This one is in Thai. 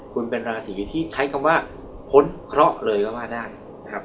คุณเป็นราศีที่ใช้คำว่าพ้นเคราะห์เลยก็ว่าได้นะครับ